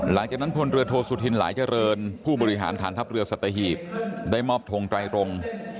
หลังจากนั้นพลเรือโทษสุธินหลายเจริญผู้บริหารฐานทัพเรือสัตหีบได้มอบทงไตรรง